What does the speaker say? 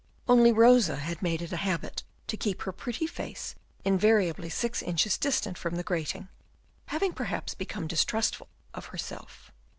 Only Rosa had made it a habit to keep her pretty face invariably six inches distant from the grating, having perhaps become distrustful of herself.